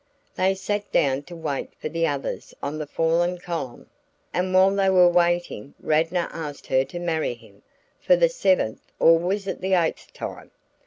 They sat down to wait for the others on the fallen column, and while they were waiting Radnor asked her to marry him, for the seventh or was it the eighth time?"